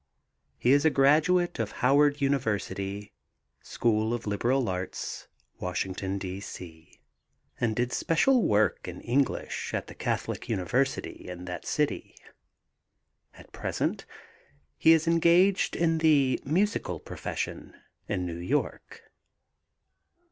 He is a graduate of Howard University, School of Liberal Arts, Washington, D.C., and did special work in English at the Catholic University in that city. At present he is engaged in the musical profession in New York.